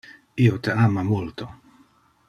Io te ama multo.